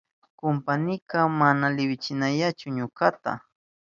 Kumpaynika mana liwichinayawanchu ñukata.